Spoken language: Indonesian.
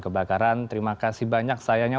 kebakaran terima kasih banyak sayangnya